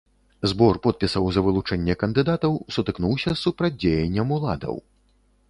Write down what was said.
Збор подпісаў за вылучэнне кандыдатаў сутыкнуўся з супрацьдзеяннем уладаў.